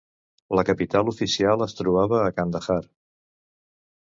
La capital oficial es trobava a Kandahar.